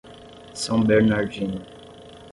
São Bernardino